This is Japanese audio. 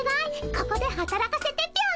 ここではたらかせてぴょん。